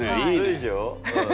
いいでしょ？